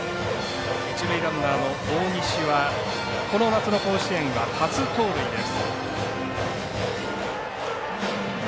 一塁ランナーの大西はこの夏の甲子園初盗塁です。